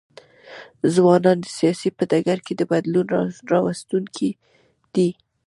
ځوانان د سیاست په ډګر کي د بدلون راوستونکي دي.